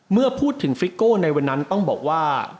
เมื่อพูดถึงฟิโก้ในวันนั้นต้องบอกว่า